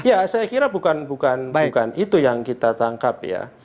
ya saya kira bukan itu yang kita tangkap ya